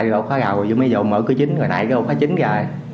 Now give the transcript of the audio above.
rồi mới mở cửa chính rồi nãy cái ổ khóa chính ra